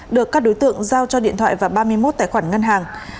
được các đối tượng giao cho điện thoại và ba mươi một tài khoản ngân hàng